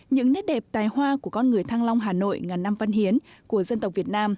những nét đẹp tài hoa của con người thăng long hà nội ngàn năm văn hiến của dân tộc việt nam